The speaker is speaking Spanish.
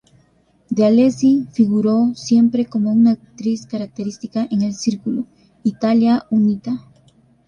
Dealessi figuró siempre como una actriz característica en el Círculo "Italia Unita".